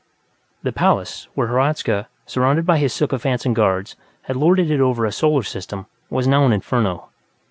_ The Palace, where Hradzka, surrounded by his sycophants and guards, had lorded it over a solar system, was now an inferno.